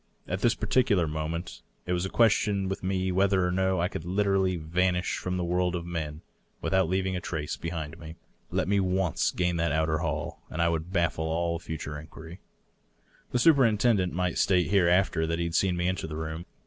At this particular moment it was a question with me whether or no I could literally vanish from the world of men without leaving a trace behind me. Let me once gain that outer hall, and I would baffle all future inquiry. The superintendent might state hereafter that he had seen me enter the room.